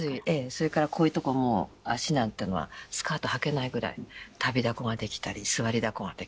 それからこういうとこも足なんていうのはスカートはけないぐらい足袋だこができたり座りだこができたり。